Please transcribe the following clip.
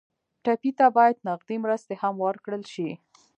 ټپي ته باید نغدې مرستې هم ورکړل شي.